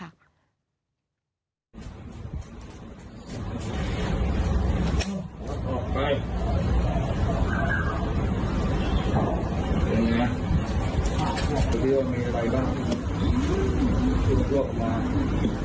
อย่างนี้นะอันนี้มีอะไรบ้าง